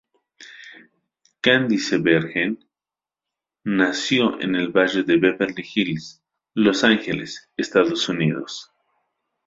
Candice Bergen nació en el barrio de Beverly Hills, Los Ángeles, Estados Unidos.